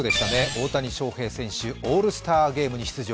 大谷翔平選手、オールスターゲームに出場。